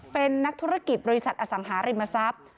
เป็นนักธุรกิจบริษัทอสังหาริมทรัพย์